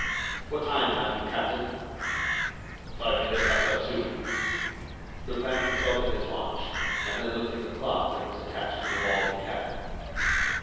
What time have you, captain?" "Five minutes after two." Lupin consulted his watch, then looked at the clock that was attached to the wall of the cabin.